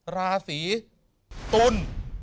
ราศรีตุ่น